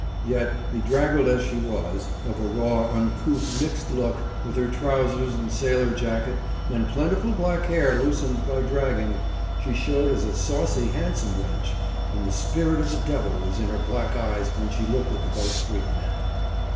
Yet, bedraggled as she was, of a raw, uncouth, mixed look, with her trousers and sailor's jacket, and plentiful black hair loosened by dragging, she showed as a saucy, handsome wench, and the spirit of the devil was in her black eyes when she looked at the Bow Street men.